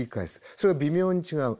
それが微妙に違う。